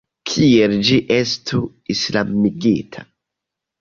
Kiel ĝi estu islamigita?